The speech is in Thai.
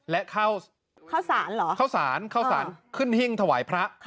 และเข้าสารเข้าสารขึ้นหิ้งถวายพระ